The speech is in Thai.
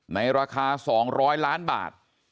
ในราคา๒๐๐ล้านบาท